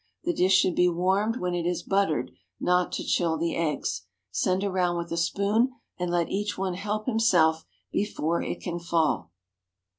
The dish should be warmed when it is buttered, not to chill the eggs. Send around with a spoon, and let each one help himself before it can fall.